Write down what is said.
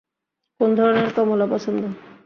কোন ধরণের কমলা পছন্দ?